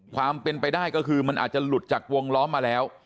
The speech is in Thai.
ความเป็นไปได้ก็คือมันอาจจะหลุดจากวงล้อมมาแล้ว